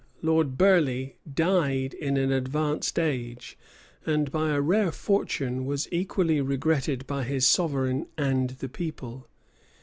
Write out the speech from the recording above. Lord Burleigh died in an advanced age; and, by a rare fortune was equally regretted by his sovereign and the people.